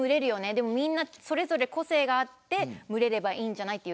でも、みんなそれぞれ個性があって群れればいいんじゃないと。